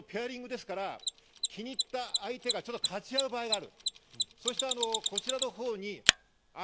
夜になってペアリングですから、気に入った相手がかち合う場合がある。